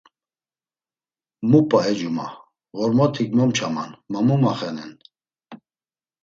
Mu p̌a e cuma, ğormotik momçaman ma mu maxe-nen.